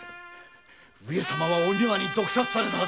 上様はおみわに毒殺されたはず。